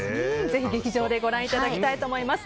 ぜひ劇場でご覧いただきたいと思います。